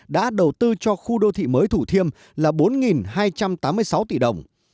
đã đầu tư cho khu đô thị mới thủ thiêm là bốn hai trăm tám mươi sáu tỷ đồng